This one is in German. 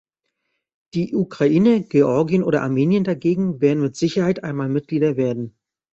Die Ukraine, Georgien oder Armenien dagegen werden mit Sicherheit einmal Mitglieder werden.